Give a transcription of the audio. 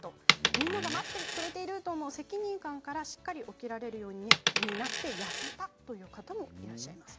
みんなが待ってくれていると思うと責任感からしっかり起きられるようになって痩せたという方もいます。